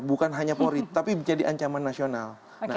bukan hanya polri tapi menjadi ancaman nasional